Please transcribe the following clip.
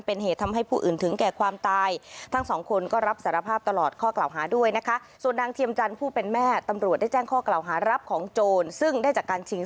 พ่อไม่เคยแกล้งเกลียดหนูเลยนะรักหนูจริง